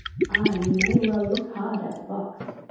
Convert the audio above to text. Aye, ye may well look hard at the box.